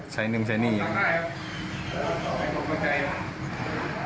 ใช้หนึ่งใช้หนี้อย่างนี้ครับ